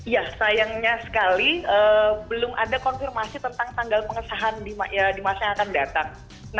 ya sayangnya sekali belum ada konfirmasi tentang tanggal pengesahan di masa yang akan datang